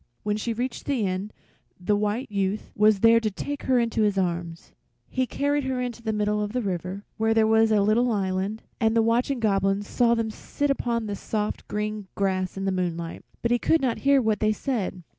When she reached the end the White Youth was there to take her in his arms. He carried her to the middle of the river, where there was a little island, and the watching Goblin saw them sit upon the soft green grass in the moonlight, but he could not hear what they said.